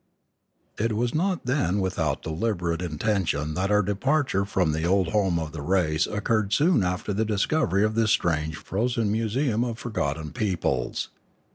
It was not then without deliberate intention that our departure from the old home of the race occurred soon after the discovery of this strange frozen museum of forgotten peoples.